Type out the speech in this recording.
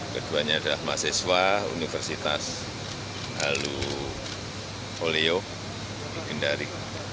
keduanya adalah mahasiswa universitas halu oleo di kendari